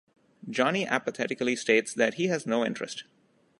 Jonny apathetically states that he has no interest.